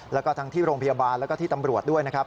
แล้วก็ทั้งที่โรงพยาบาลแล้วก็ที่ตำรวจด้วยนะครับ